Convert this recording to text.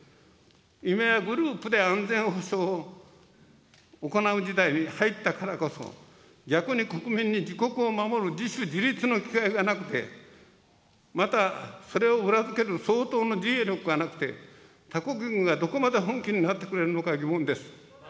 今やグループで安全保障を行う時代に入ったからこそ、逆に国民に自国を守る自主自立の気概がなくて、またそれを裏付ける相当の自衛力がなくて、他国民がどこまで本気になってくれるのか疑問です。